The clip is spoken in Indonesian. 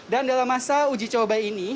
dan dalam masa uji coba ini